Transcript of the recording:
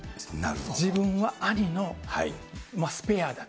自分は兄のスペアだと。